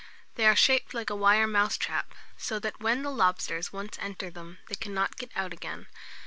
They are shaped like a wire mousetrap; so that when the lobsters once enter them, they cannot get out again.